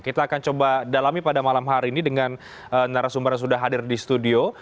kita akan coba dalami pada malam hari ini dengan narasumber yang sudah hadir di studio